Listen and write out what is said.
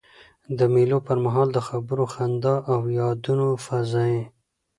د مېلو پر مهال د خبرو، خندا او یادونو فضا يي.